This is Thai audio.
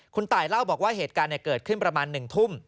คุณตายเล่าบอกว่าเหตุการณ์เกิดขึ้นประมาณ๑ทุ่ม